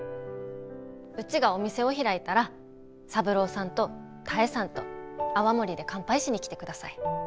うちがお店を開いたら三郎さんと多江さんと泡盛で乾杯しに来てください。